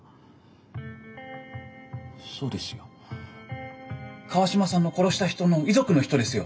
そうですよ川島さんの殺した人の遺族の人ですよ。